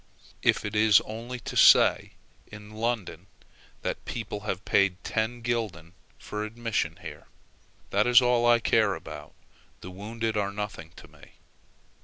if it is only said in London that people have paid ten gulden for admission here, that is all I care about; the wounded are nothing to me."